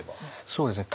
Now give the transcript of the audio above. そうですね